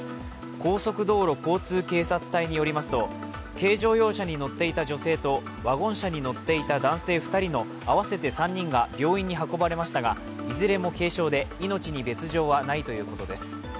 高速道路交通警察隊によりますと、軽乗用車に乗っていた女性とワゴン車に乗っていた男性２人の合わせて３人が病院に運ばれましたが、いずれも軽傷で命に別状はないということです。